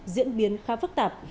diễn biến khá phức tạp